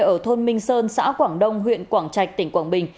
ở thôn minh sơn xã quảng đông huyện quảng trạch tỉnh quảng bình